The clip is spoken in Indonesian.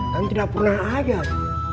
dan tidak pernah agak